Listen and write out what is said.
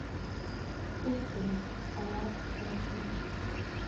— Уке-э-э... ала-кушечын...